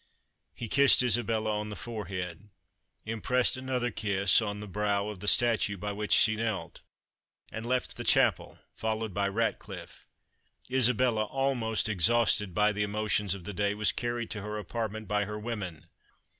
He kissed Isabella on the forehead, impressed another kiss on the brow of the statue by which she knelt, and left the chapel followed by Ratcliffe. Isabella, almost exhausted by the emotions of the day, was carried to her apartment by her women.